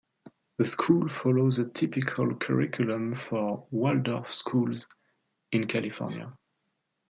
The school follows a typical curriculum for Waldorf schools in California.